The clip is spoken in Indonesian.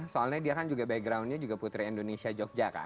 soalnya dia kan juga backgroundnya juga putri indonesia jogja kan